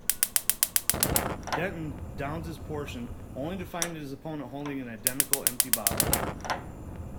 Denton downs his potion only to find his opponent holding an identical empty bottle.